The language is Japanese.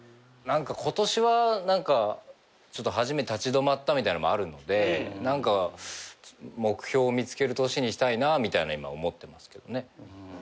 今年はちょっと初め立ち止まったみたいのもあるので何か目標を見つける年にしたいなみたいなのは今思ってますけどね。